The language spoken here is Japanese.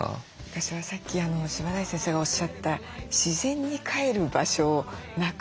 私はさっき柴内先生がおっしゃった自然にかえる場所をなくした動物犬猫。